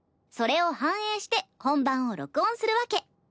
それを反映して本番を録音するわけ。